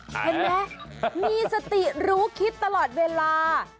เห็นไหมมีสติรู้คิดตลอดเวลา